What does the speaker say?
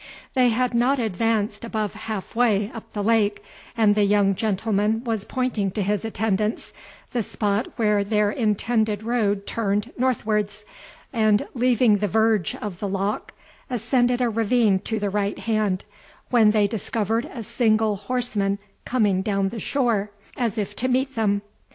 They had not advanced above half way up the lake, and the young gentleman was pointing to his attendants the spot where their intended road turned northwards, and, leaving the verge of the loch, ascended a ravine to the right hand, when they discovered a single horseman coming down the shore, as if to meet them.